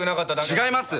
違います！